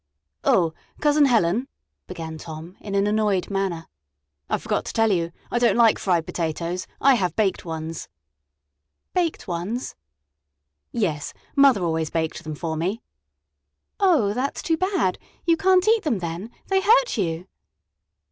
"Oh, Cousin Helen," began Tom, in an annoyed manner, "I forgot to tell you; I don't like fried potatoes. I have baked ones." "Baked ones?" "Yes; mother always baked them for me."' "Oh, that's too bad; you can't eat them, then, they hurt you!"